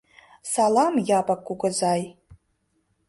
— Салам, Япык кугызай.